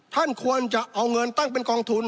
ท่านควรจะเอาเงินตั้งเป็นกองทุน